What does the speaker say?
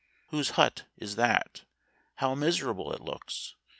Whose hut is that ? how miserable it looks!